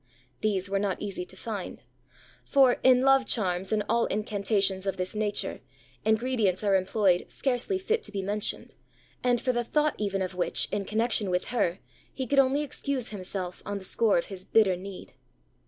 These were not easy to find; for, in love charms and all incantations of this nature, ingredients are employed scarcely fit to be mentioned, and for the thought even of which, in connexion with her, he could only excuse himself on the score of his bitter need.